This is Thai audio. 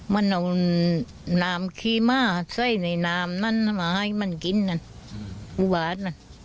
มันเอาน้ำครีมะไส้ในน้ำนั้นมาให้มันกินนั่นอุบัตินั่น